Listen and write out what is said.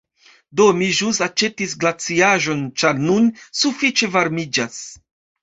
Do, mi ĵus aĉetis glaciaĵon ĉar nun sufiĉe varmiĝas